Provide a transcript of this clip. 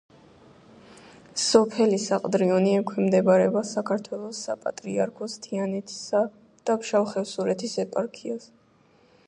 სოფელი საყდრიონი ექვემდებარება საქართველოს საპატრიარქოს თიანეთისა და ფშავ-ხევსურეთის ეპარქიას.